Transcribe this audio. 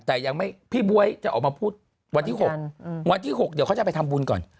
แต่ยังไม่พี่บ๊วยจะออกมาพูดวันที่๖วันที่๖เดี๋ยวเขาจะไปทำบุญก่อน